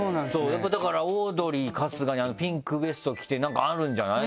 やっぱだからオードリー・春日にあのピンクベスト着て何かあるんじゃない？